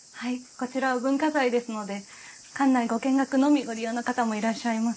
こちらは文化財ですので館内ご見学のみご利用の方もいらっしゃいます。